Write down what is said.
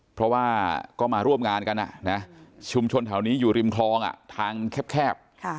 เพราะว่าก็มาร่วมงานกันชุมชนแถวนี้อยู่ริมคลองทางแคบ